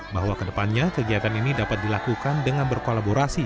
bahwa kedepannya kegiatan ini dapat dilakukan dengan berkolaborasi